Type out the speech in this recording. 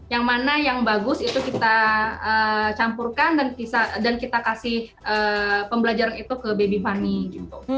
yang mana yang bagus itu kita campurkan dan kita kasih pembelajaran itu ke baby funny gitu